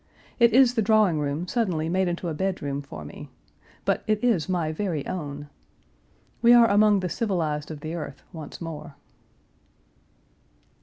It is the drawing room suddenly made into a bedroom for me. But it is my very own. We are among the civilized of the earth once more.